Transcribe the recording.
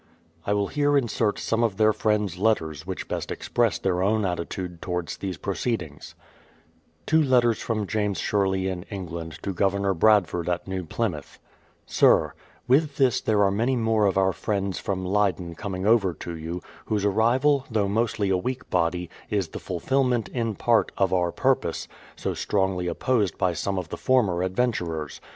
I will here insert some of their friends' letters, which best express their own attitude towards these proceedings. 201 202 BRADFORD'S HISTORY OF Two Idlers from James Sherley in England to Governor Bradford at New Plymouth:. Sir, With this there are many more of our friends from Leyden coming over to you, whose arrival, though mostly a weak body, is the fulfillment, in part, of our purpose, so strongly opposed by some of the former adventurers.